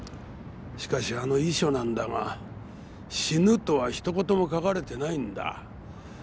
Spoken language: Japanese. しかしあの遺書なんだが死ぬとは一言も書かれてないんだ。